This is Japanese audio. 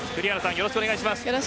よろしくお願いします。